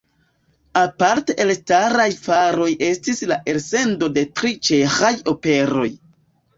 Aparte elstaraj faroj estis la elsendo de tri ĉeĥaj operoj.